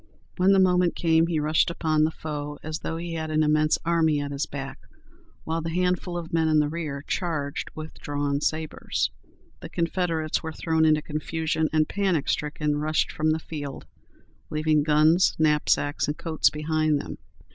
When the moment came, he rushed upon the foe as though he had an immense army at his back, while the handful of men in the rear charged with drawn sabres. The Confederates were thrown into confusion, and, panic stricken, rushed from the field, leaving guns, knapsacks, and coats behind them.